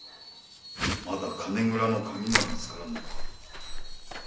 まだ金蔵の鍵が見つからぬのか？